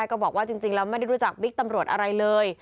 ก็บอกว่าจริงแล้วไม่ได้รู้จักบิ๊กตำรวจอะไรเลย